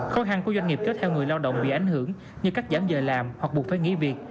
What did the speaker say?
khó khăn của doanh nghiệp kéo theo người lao động bị ảnh hưởng như cắt giảm giờ làm hoặc buộc phải nghỉ việc